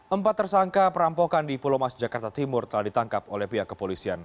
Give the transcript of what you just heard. empat tersangka perampokan di pulau mas jakarta timur telah ditangkap oleh pihak kepolisian